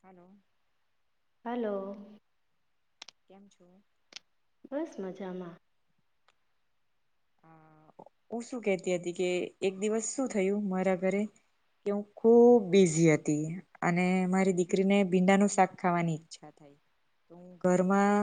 Hello hello [inaudible] બસ મજામાં હું શું કેતી હતી કે એક દિવસ શું થયું મારા ઘરે કે હું ખુબ બિઝી હતી અને મારી દીકરીને ભીંડાનું શાક ખાવાની ઈચ્છા થાય તો હું ઘરમાં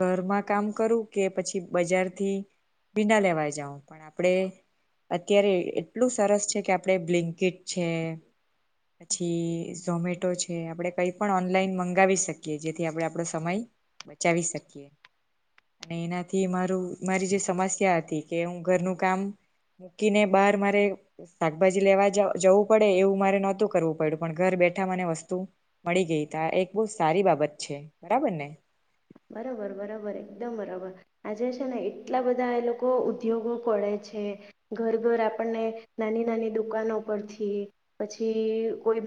ઘરમાં કામ કરું કે પછી બજારથી ભીડાલેવા જાઉ પણ આપણે અત્યારે એટલું સરસ છે કે આપણે બ્લિન્કીટ છે પછી ઝોમેટો છે આપણે કઈ પણ ઓનલાઈન મંગાવી શકીએ જેથી આપણે આપણો સમય બચાવી શકીએ અને એનાથી મારું મારી જે સમસ્યા સમસ્યા હતી કે હું ઘરનું કામ મૂકીને બહાર મારે શાકભાજી લેવા જવું પડે એવું મારે નહોતું કરવું પડ્યું પણ ઘર બેઠા મને વસ્તુ મળી ગઈ તા એક બહ સારી બાબત છે બરાબર ને બરોબર બરોબર એકદમ બરાબર આજે છે ને એટલા બધા એ લોકો ઉદ્યોગો કરે છે ઘર ઘર આપણને નાની નાની દુકાનો પરથી પછી કોઈ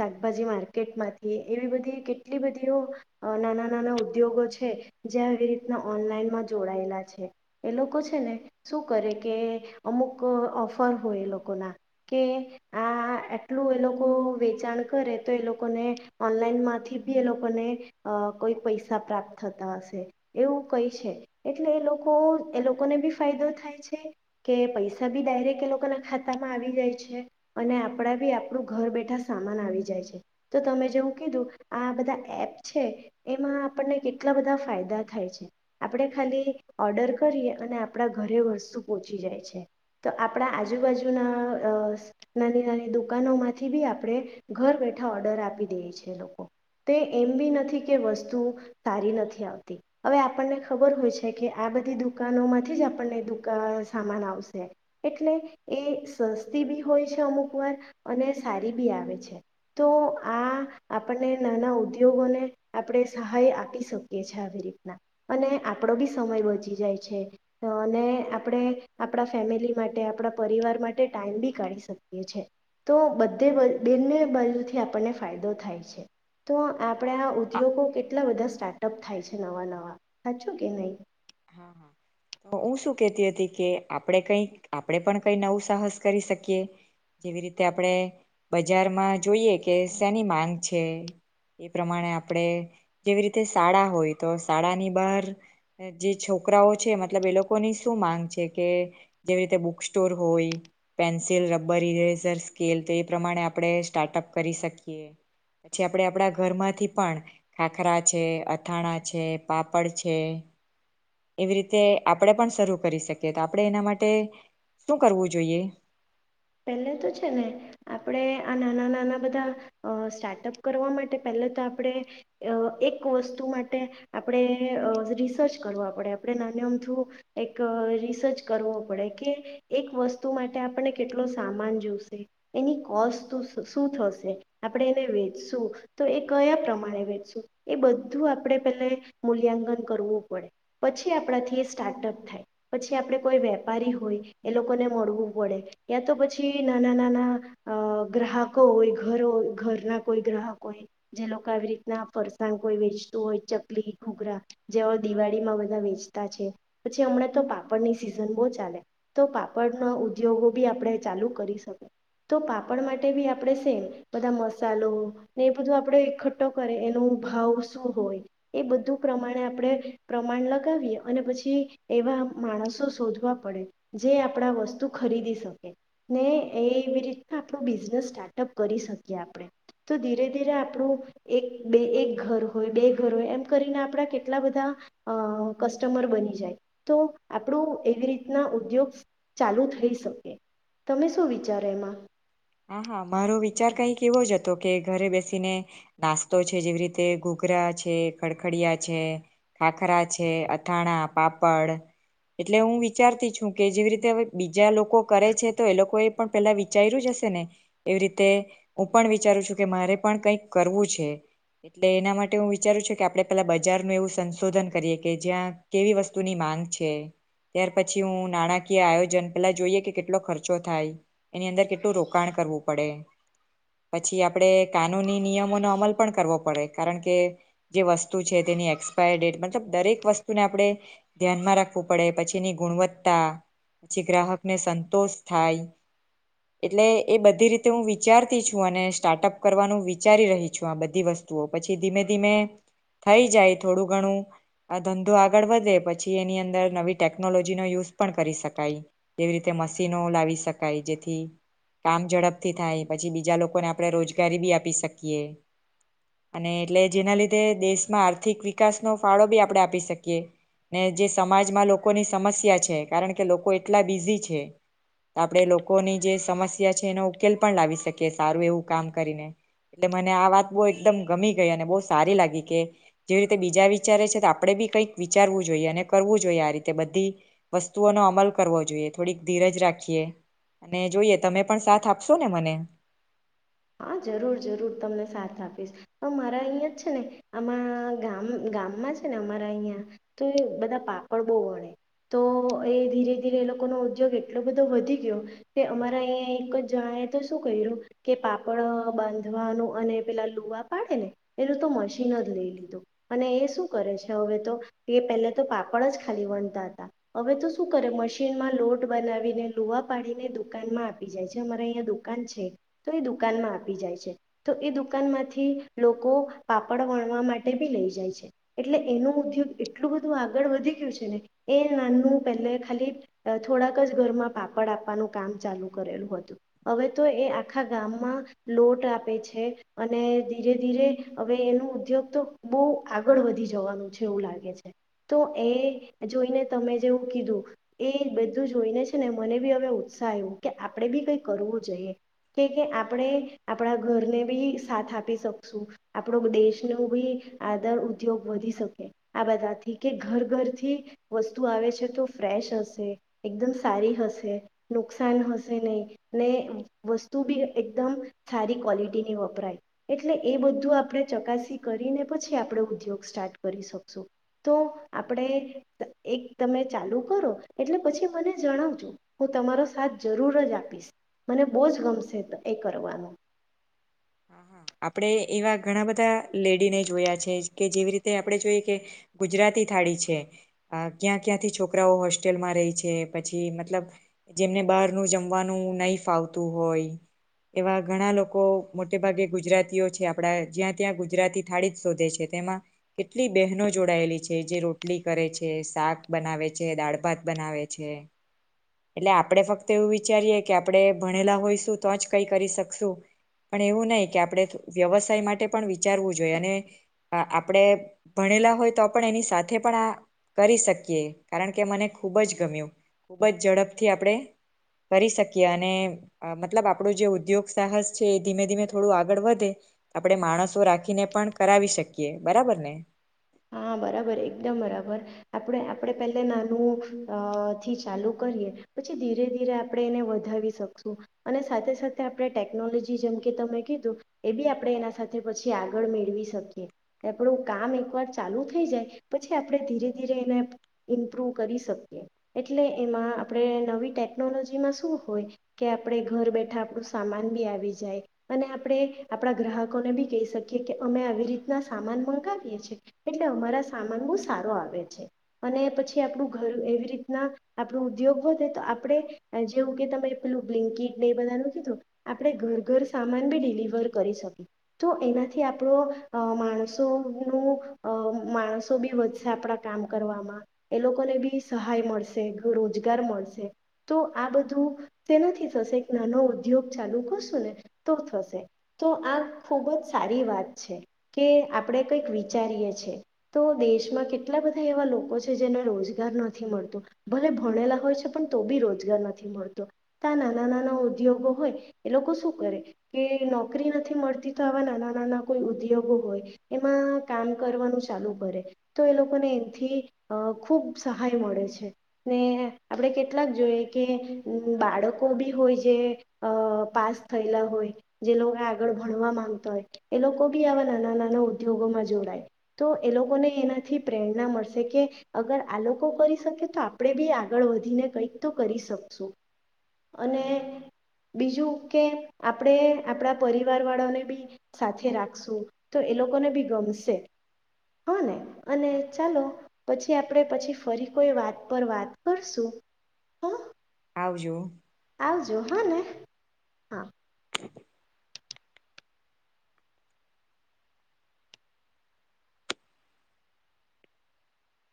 શાકભાજી માર્કેટમાંથી એવી બધી કેટલી બધીઓ નાના નાના ઉદ્યોગો જે આવી રીતના ઓનલાઈનમાં જોડાયેલા છે એ લોકો છે ને શું કરે કે અમુક ઓફર હોય એ લોકોના કે આ એટલું એ લોકો વેચાણ કરે તો એ લોકોને ઓનલાઈનમાંથી બી એ લોકોને કોઈ પૈસા પ્રાપ્ત થતા હશે એવું કઈ છે એટલે એ લોકો એ લોકોને બી ફાયદો થાય છે કે પૈસા બી ડાયરેક્ટ એ લોકોના ખાતામાં આવી જાય છે અને આપણા બી આપણું ઘર બેઠા સામાન આવી જાય છે તો તમે જેવું કીધું આ બધા એપ છે એમાં આપણને એટલા બધા ફાયદા થાય છે આપણે ખાલી ઓર્ડર કરીએ અને આપણા ઘરે વસ્તુ પહોંચી જાય છે તો આપણા આજુબાજુના નાની નાની દુકાનોમાંથી બી આપણે ઘર બેઠા ઓર્ડર આપી દઈએ છી લોકો તે એમ બી નથી કે વસ્તુ સારી નથી આવતી હવે આપણને ખબર હોય છે કે આ બધી દુકાનોમાંથી જ આપણને દુ સામાન આવશે એટલે એ સસ્તી બી હોય છે અમુક વાર અને સારી બી આવે છે તો આ આપણને નાના ઉદ ઉધીયેગને આપણે સહાય આપી શકરીસકીએ છે આવી રીતના અને આપણો બી સમય બચી જાય છે અને આપણે આપણા ફેમિલી માટે આપણા પરિવાર માટે ટાઈમ બી કાઢી શકીએ છે તો બધે બને બાજુથી આપણને ફાયદો થાય છે તો આપણે આ ઉદ્યોગો કેટલા બધા સ્ટાર્ટઅપ થાય છે નવા નવા સાચું કે નહી હું શું કેતી હતી કે આપણે કઈક આપણેે પણ કઈ નવું સાહસ કરી શકીએ જેવી રીતે આપણે બજારમાં જોઈએ કે શેની માંગ છે એ પ્રમાણે આપણે જેવી રીતે શાળા હોય તો શાળા ની બહાર જે છોકરાઓ છે મતલબ એ લોકોની શું માંગ છે કે જેવી રીતે બુક સ્ટોર હોય પેન્સિલ રબર ઇરેઝર સ્કેલ તો એ પ્રમાણે આપણે સ્ટાર્ટઅપ કરી શકીએ પછી આપણે આપણા ઘરમાંથી પણ ખાખરા છે અથાણા છે પાપડ છે એવી રીતે આપણે પણ શરૂ કરી શકીએ તો આપણેે એના માટે શું કરવું જોઈએ પહેલે તો છે ને આપણે આ નાના નાના બધા સ્ટાર્ટઅપ કરવા માટે પહેલે તો આપણે એક વસ્તુ માટે આપણે રિસર્ચ કરવા પડે આપણે નાન આમ થુ એક રિસર્ચ કરવો પડે કે એક વસ્તુ માટે આપણે કેટલો સામાન જોશે એની કોસ્ટ શું થશે આપણે એને વેચશું તો એ કયા પ્રમાણે વેચશું એ બધું આપણે પેલા મૂલ્યાંકન કરવું પડે પછી આપણાથી એ સ્ટાર્ટઅપ થાય પછી આપણે કોઈ વેપારી હોય એ લોકોને મળવું પડે યા તો પછી નાના નાના ગ્રાહકો હોય ઘરોય ઘરના કોઈ ગ્રાહકો હોય જે લોકો આવી રીતના ફરસાણ કોઈ વેચતું હોય ચાકરી ઘોઘરા જેવા દિવાળીમાં બધા વેચતા છે પછી હમણાં તો પાપડની સિઝન બહુ ચાલે તો પાપડના ઉદ્યોગો ભી આપણે ચાલુ કરી શકી તો પાપડ માટે બી આપણે સેમ બધા મસાલો ને એ બધું આપણે એકઠ્ઠો કરે એનું ભાવ શું હોય એ બધું પ્રમાણે આપણે પ્રમાણ લગાવીએ અને પછી એવા માણસો શોધવા પડે જે આપણા વસ્તુ ખરીદી શકે ને એવી રીતના આપણું બિઝનેસ સ્ટાર્ટઅપ કરી શકીએ આપણે તો ધીરે ધીરે આપણું એક બે એક ઘર હોય બે ઘર હોય એમ કરીને આપણા કેટલા બધા અ કસ્ટમર બની જાય તો આપણું એવી રીતના ઉદ્યોગ ચાલુ થઈ શકે તમે શું વિચારો એમાં હા હા મારો વિચાર કઈક એવો જ હતો કે ઘરે બેસીને નાસ્તો છે જેવી રીતે ઘોઘરા છે ખડખડીિયા છે ખાખરા છે અથાણા પાપડ એટલે હું વિચારતી છું કે જેવી રીતે બીજા લોકો કરે છે તો એ લોકો એ પણ પેલા વિચાર્યું જ હશે એવી રીતે હું પણ વિચારું છું કે મારે પણ કઈક કરવું છે એટલે એના માટે હું વિચારું છું કે આપે પેલા બજાર નું એવું સંશોધન કરીએ કે જ્યાં કેવી વસ્તુની માંગ છે ત્યાર પછી હું નાણાકીય આયોજન પેલા જોઈએ કે કેટલો ખર્ચો થાય એની અંદર કેટલોું રોક રોકાન કરવું પડે પછી આપણે કાનૂની નિયમોનોો અમલ પણ કરવો પડે કારણ કે જે વસ્તુ છે તેની એક્સપાયર ડેટ મતલબ દરેક વસ્તુને આપણે ધ્યાનમાં રાખવું પડે પછી એની ગુણવત્તા પછી ગ્રાહકને સંતોષ થાય એટલે એ બધી રીતે હું વિચારતી છું અને સ્ટાર્ટઅપ કરવાનું વિચારી રહી છું આ બધી વસ્તુઓ પછી ધીમે ધીમે થઈ જાય થોડું ઘણું આ ધંધો આગળ વધે પછી એની અંદર નવી ટેકનોલોજીનો યુઝ પણ કરી શકાય જેવી રીતે મશીનો લાવી શકાય જેથી કામ ઝડપથી થાય પછી બીજા લોકોને આપણે રોજગારી બી આપી શકીએ અને એટલે જેના લીધે દેશમાં આર્થિક વિકાસનો ફાળો બી આપણે આપી શકીએ ને જે સમાજમાં લોકોની સમસ્યા છે કારણ કે લોકો એટલા બિઝી છે આપણે લોકોની જે સમસ્યા છે એનો ઉકેલ પણ લાવી શકીએ સારું એવું કામ કરીને એટલે મને આ વાત બહુ એકદમ ગમી ગઈ અને બહુ સારી લાગી કે જેવી રીતે બીજા વિચારે છે તો આપણેે બી કઈક વિચારવું જોઈએ અને કરવું જોઈએ આ રીતે બધી વસ્તુઓનો અમલ કરવો જોઈએ થોડીક ધીરજ રાખીએ અને જોઈએ તમે પણ સાથ આપશો ને મને હા જરૂર જરૂર તમને સાથ આપીશ તો મારા અહીં જ છે ને આમાં ગામ ગામમાં છે ને અમારા અહં તો એ બધા પાપડ બહુ વણે તો એ ધીરે ધીરે એ લોકોનો ઉદ્યોગ એટલો બધો વધી ગયો કે અમારા અહીંયા એક જ જણાએ તો શું કર્યું કે પાપ પાપડ બાંધવાનું અને પેલા લુવા પાડે ને એનું તો મશીન જ લઈ લીધું અને એ શું કરે છે હવે તો એ પહેલા તો પાપડ જ ખાલી વણતા હતા હવે તો શું કરે મશીનમાં લોટ બનાવીને લુવા પાડીને દુકાનમાં આપી જાય છે અમારે અહીં દુકાન છે તો એુ માં આપી જાય છે તો એ દુકાનમાંથી લોકો પાપડ વણવા માટે બી લઈ જાય છે એટલે એનો ઉદ્યોગ એટલું બધું આગળ વધી ગયું છે ને એ નાનું પહેલે ખાલી થોડાક જ ઘરમાં પાપડ આપવાનું કામ ચાલુ કરેલું હતું હવે તો એ આખા ગામ લોટ આપે છે અને ધીરે ધીરે હવે એનું ઉદ્યોગ તો બહુ આગળ વધી જવાનું છે એવું લાગે છે તો એ જોઈને તમે જેવું કીધું એ બધું જોઈને છે ને મને બી હવે ઉત્સાહ આવ્યું કે આપણે બી કઈ કરવું જોઈએ કે કે આપણે આપણા ઘરને બી સાથ આપી શકશું આપણો દેશનો બી આદર ઉદ્યોગ વધી શકે આ બધાથી કે ઘર ઘરથી વસ્તુ આવે છે તો ફ્રેશ હશે એકદમ સારી હશે નુકસાન હશે નહીં ને વસ્તુ બી એકદમ સારી ક્વલિટીની વપરાય એટલે એ બધું આપણે ચકાસી કરીને પછી આપણે ઉદ્યોગ સ્ટાર્ટ કરી શકશું તો આપણે એક તમે ચાલુ કરો એટલે પછી મને જણાવજું હું તમારો સાથ જરૂર જ આપીશ મને બહુ જ ગમશે એ કરરવાનું આપડે એવા ઘણા બધા લેડીને જોયા છે કે જેવી રીતે આપણે જોઈએ કે ગુજરાતી થાળી છે ક્યાં ક્યાંથી છોકરાઓ હોસ્ટેલમાં રહી છે પછી મતલબ જેમને બહારનું જમવાનું નહીં ફાવતું હોય એવા ઘણા લોકો મોટે ભાગે ગુજરાતીઓ છે આપડા જ્યાં ત્ય ગુજરાતી થાળી જ શોધે છે તેમાં કેટલી બહેનો જોડાયેલી છે જે રોટલી કરે છે શાક બનાવે છે બના છે દાળ ભાત બનાવે છે એટલે આપણે ફક્ત એવું વિચારીએ કે આપણે ભણેલા હોયશું તો જ કઈ કરી શકશું પણ એવું નહી કે આપણે વ્યવસાય માટે પણ વિચારવું જોઈ અને આપણે ભણેલા હોય તો પણ એની સાથે પણ આ કરી શકીએ કારણ કે મને ખૂબ જ ગમ્યું ખૂબ જ ઝડપથી આપણે કરી શકીએ અને મતલબ આપણું જે ઉદ્યોગ સાહસ છે એ ધીમે ધીમે થોડું આગળ વધે આપણે માણસો રાખીને પણ કરાવી શકીએ બરાબર ને હા બરાબર એકદમ બરાબર આપણે આપણે પહેલા નાનું થી ચાલુ કરીએ પછી ધીરે ધીરે આપણે એને વધાવી શકશું અને સાથે સાથે આપણે ટેકનોલોજી જેમ કે તમે કીધું એ બી આપણે એના સાથે પછી આગળ મેળવી શકીએ આપણું કામ એકવાર ચાલુ થઈ જાય પછી આપણે ધીરે ધીરે એને ઇમ્પ્રુવ કરી શકીએ એટલે એમાં આપણે નવી ટેકનોલોજીમાં શું હોય કે આપણે ઘર બેઠા આપણું સામાન બી આવી જાય અને આપણે આપણા ગ્રાહકોને બી કહી શકીએ કે અમે આવી રીતના સામાન મંગાવીએ છી એટલે અમારા સામાન બહુ સારો આવે છે અને પછી આપણું ઘર એવી રીતના આપણું ઉદ્યોગ વધે તો આપણે જેવું કે તમે પેલું બ્લિંકિટને એ બધાનું કીધું આપણે ઘર ઘર સામાન બી ડિલિવર કરી શકીએ તો એનાથી આપણો માણસોનું અ માણસો બી વધશે આપણા કામ કરવામાં એ લોકોને બી સહાય મળશે રોજગાર મળશે તો આ બધું તે નથી થશે એક નાનો ઉદ્યોગ ચાલુ કરશું ને તો થશે તો આ ખૂબ જ સારી વાત છે કે આપણે કંઈક વિચારીએ છે તો દેશમાં કેટલા બધા એવા લોકો છે જેને રોજગાર નથી મળતો ભલે ભણેલા હોય છે પણ તો બી રોજગાર નથી મળતો તો આ નાના નાના ઉદ્યોગો હોય એ લોકો શું કરે કે નોકરી નથી મળતી તો આવા નાના નાના કોઈ ઉદ્યોગો હોય એમાં કામ કરવાનું ચાલુ કરે તો એ લોકોને એથી અ ખૂબ સહાય મળે છે ને આપણે કેટલાક જોઈએ કે બાળકો બી હોય જે પાસ થયેલા હોય જે લોકો આગળ ભણવા માંગતા હોય એ લોકો બી આવા નાના નાના ઉદ્યોગોમાં જોડાય તો એ લોકોને એનાથી પ્રેરણા મળશે કે અગર આ લોકો કરી શકે તો આપણે બી આગળ વધીને કંઈક તો કરી શકશું અને બીજું કે આપણે આપણા પરિવાર વાળાને બી સાથે રાખશું તો એ લોકોને બી ગમશે હોને અને ચાલો પછી આપણે પછી ફરી કોઈ વાત પર વાત કરશું. આવજો આવજો હા ને હા